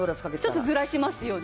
ちょっとずらしますよね。